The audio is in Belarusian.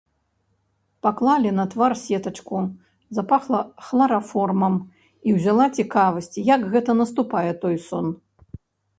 Паклалі на твар сетачку, запахла хлараформам, і ўзяла цікавасць, як гэта наступае той сон.